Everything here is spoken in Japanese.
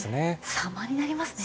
様になりますね。